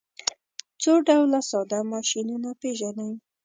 څو ډوله ساده ماشینونه پیژنئ.